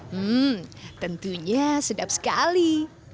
hmm tentunya sedap sekali